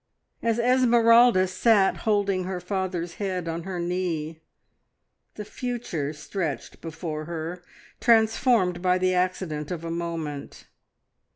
As Esmeralda sat holding her father's head on her knee, the future stretched before her, transformed by the accident of a moment.